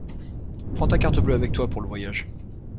Prends ta carte bleue avec toi pour le voyage.